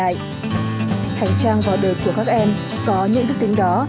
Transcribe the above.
và lại hành trang vào đời của các em có những tức tính đó